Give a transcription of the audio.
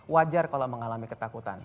wajar kalau mengalami ketakutan